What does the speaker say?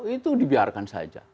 itu dibiarkan saja